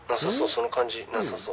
その感じなさそう」